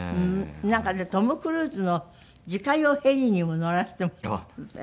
なんかトム・クルーズの自家用ヘリにも乗らせてもらった？